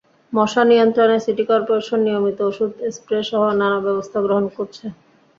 মশা নিয়ন্ত্রণে city corporation নিয়মিত ওষুধ স্প্রেসহ নানা ব্যবস্থা গ্রহণ করছে।